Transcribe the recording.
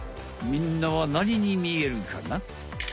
みんなは何にみえるかな？